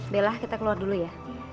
belah kita keluar dulu ya